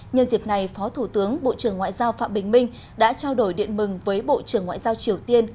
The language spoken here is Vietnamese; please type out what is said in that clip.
nhân dịp này phó thủ tướng bộ trưởng ngoại giao phạm bình minh đã trao đổi điện mừng với bộ trưởng ngoại giao triều tiên